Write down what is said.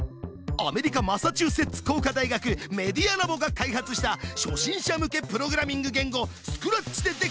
アメリカマサチューセッツ工科大学メディアラボが開発した初心者向けプログラミング言語スクラッチでできた世界だ。